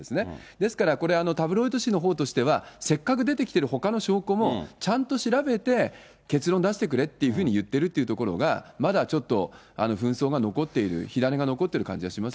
ですからこれ、タブロイド紙のほうとしては、せっかく出てきてるほかの証拠もちゃんと調べて、結論出してくれっていうふうに言ってるっていうところが、まだちょっと紛争が残っている、火種が残っている感じがしますよ